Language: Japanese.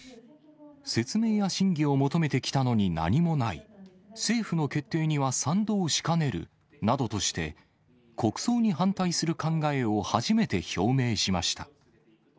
説明や審議を求めてきたのに何もない、政府の決定には賛同しかねるなどとして、国葬に反対する考えを初めて表明しました。